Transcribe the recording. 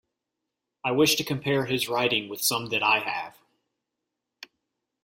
I wish to compare his writing with some that I have.